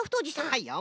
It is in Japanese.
はいよ。